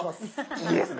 いいですね！